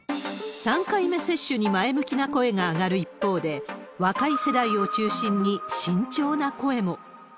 ３回目接種に前向きな声が上がる一方で、若い世代を中心に慎重な声も。